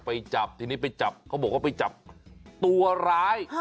ไปจับทีนี้ไปจับเขาบอกว่าไปจับตัวร้าย